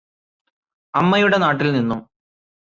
അമ്മയുടെ നാട്ടില് നിന്നും